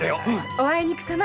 おあいにくさま！